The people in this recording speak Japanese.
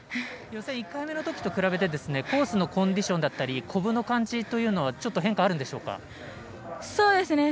予選１回目のときと比べてコースのコンディションだったりコブの感じというのは変化あるんでしょうか？